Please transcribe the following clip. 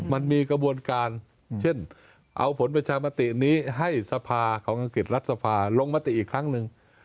มันมีกระบวนการเช่นเอาผลประชามตินี้ให้สภาของอังกฤษรัฐสภาลงมติอีกครั้งหนึ่ง